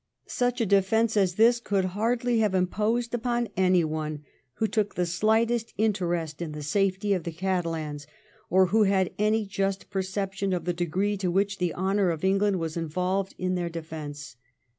Such a defence as this could hardly have imposed upon anyone who took the slightest interest in the safety of the Catalans, or who had any just perception of the degree to which the honour of England was involved in their defence.